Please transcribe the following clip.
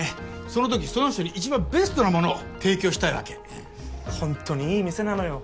その時その人に一番ベストなものを提供したいわけホントにいい店なのよ